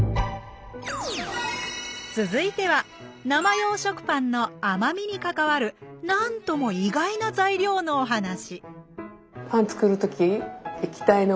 続いては生用食パンの「甘み」に関わるなんとも意外な材料のお話パンつくるとき